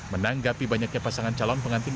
menanggapi banyaknya pasangan calon pengantin